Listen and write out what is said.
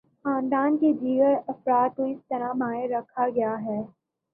خاندان کے دیگر افراد کو اس طرح باہر رکھا گیا ہے۔